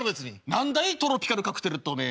何だいトロピカルカクテルっておめえよう。